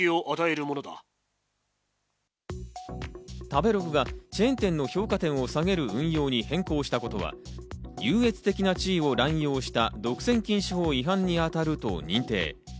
食べログがチェーン店の評価点を下げる運用に変更したことは、優越的な地位を乱用した独占禁止法違反に当たると認定。